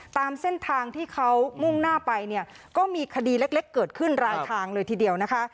ตามเส้นทางที่เขามุ่งหน้าไปเนี่ยก็มีคดีเล็กเกิดขึ้นรายทางเลยทีเดียวนะคะ